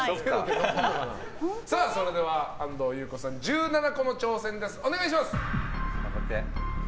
それでは安藤優子さん１７個の挑戦です。